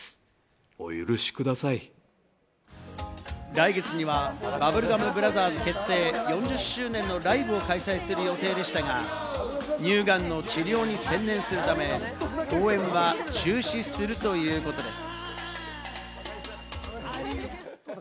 来月にはバブルガム・ブラザーズ結成４０周年のライブを開催する予定でしたが、乳がんの治療に専念するため、公演は中止するということです。